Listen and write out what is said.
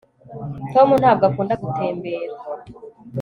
tom ntabwo akunda gutembera